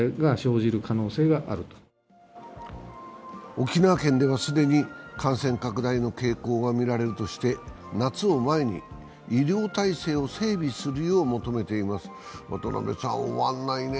沖縄県では既に感染拡大の傾向が見られるとして、夏を前に医療体制を整備するよう求めています。